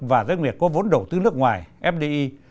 và doanh nghiệp có vốn đầu tư nước ngoài fdi